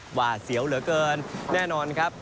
หวาดเสียวเหลือเกินแน่นอนครับ